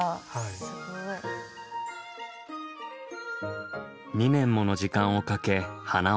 すごい。２年もの時間をかけ花を咲かす。